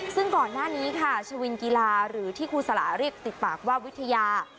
ซึ่งก่อนหน้านี้ค่ะชวินกีฬาหรือที่ครูสลาเรียกติดปากว่าวิทยา